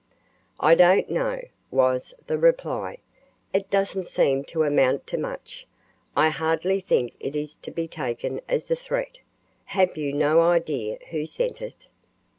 "I don't know," was the reply. "It doesn't seem to amount to much. I hardly think it is to be taken as a threat. Have you no idea who sent it?"